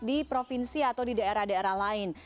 di provinsi atau di daerah daerah lain